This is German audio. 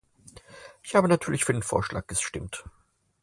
Ich habe natürlich für den Vorschlag gestimmt.